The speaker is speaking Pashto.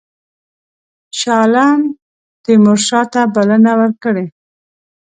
شاه عالم تیمورشاه ته بلنه ورکړې.